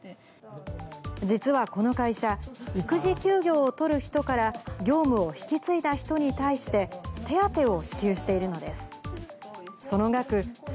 実はこの会社、育児休業を取る人から、業務を引き継いだ人に対して、手当を支給しているのです。